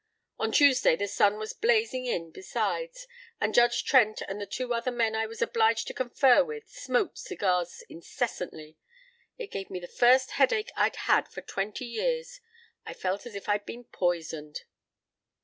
On Tuesday the sun was blazing in besides, and Judge Trent and the two other men I was obliged to confer with smoked cigars incessantly. It gave me the first headache I'd had for twenty years. I felt as if I'd been poisoned."